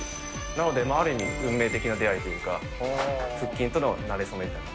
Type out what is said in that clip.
なので、ある意味運命的な出会いというか、腹筋とのなれそめみたいな。